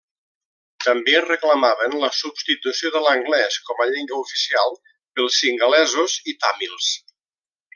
També reclamaven la substitució de l'anglès com a llengua oficial pels singalesos i tàmils.